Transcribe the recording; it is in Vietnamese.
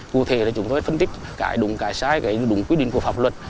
cụ thể là chúng tôi phân tích cãi đúng cãi sai cãi đúng quy định của pháp luật